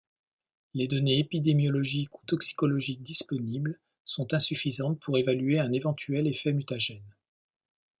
Les données épidémiologiques ou toxicologiques disponibles sont insuffisante pour évaluer un éventuel effet mutagène.